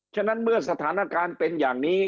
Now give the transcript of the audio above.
ฉะนั้นเมื่อสถานการณ์เป็นอย่างนี้